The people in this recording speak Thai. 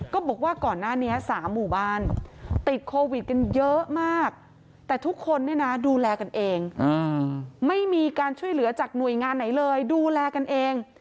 ก็บอกว่าก่อนหน้านี้๓หมู่บ้านติดโควิดกันเยอะมากแต่ทุกคนเนี่ยนะดูแลกันเองไม่มีการช่วยเหลือจากหน่วยงานไหนเลยดูแลกันเอง